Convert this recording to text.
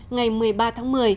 ngày một mươi ba tháng một mươi